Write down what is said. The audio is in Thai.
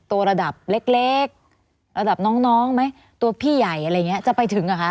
ตัวระดับเล็กเล็กระดับน้องน้องไหมตัวพี่ใหญ่อะไรอย่างเงี้ยจะไปถึงอะคะ